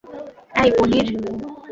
এই, পানির!